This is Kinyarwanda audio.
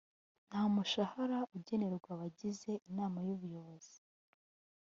nta mushahara ugenerwa abagize inama y’ ubuyobozi